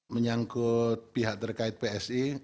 menyangkut pihak terkait psi